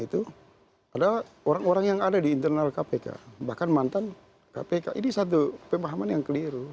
itu adalah orang orang yang ada di internal kpk bahkan mantan kpk ini satu pemahaman yang keliru